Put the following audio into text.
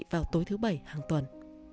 vào tối thứ bảy hàng tuần